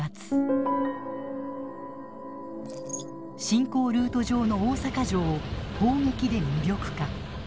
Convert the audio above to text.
侵攻ルート上の大坂城を砲撃で無力化。